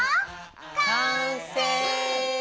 完成！